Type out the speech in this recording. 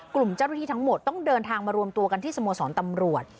กลุ่มเจ้าหน้าที่ทั้งหมดต้องเดินทางมารวมตัวกันที่สโมสรตำรวจ